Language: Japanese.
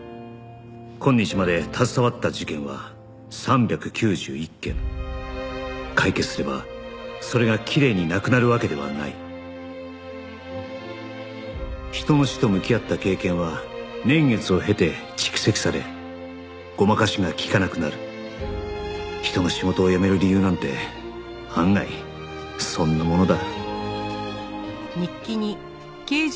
「今日まで携わった事件は３９１件」「解決すればそれが綺麗になくなるわけではない」「人の死と向き合った経験は年月を経て蓄積され誤魔化しが利かなくなる」「人が仕事を辞める理由なんて案外そんなものだ」